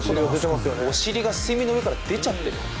お尻が水面の中から出ちゃっている。